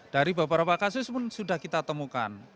dari beberapa kasus pun sudah kita temukan